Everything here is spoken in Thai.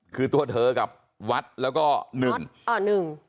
คือตัวเธอกับวัดแล้วก็หนึ่งอ๋อหนึ่ง